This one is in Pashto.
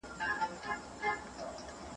هوږه د روغتیا لپاره ګټوره ده.